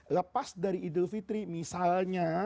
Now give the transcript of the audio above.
lepas dari idul fitri misalnya